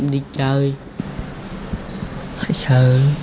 đi chơi phải sợ